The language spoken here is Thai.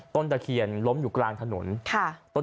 ตะเคียนล้มอยู่กลางถนนค่ะ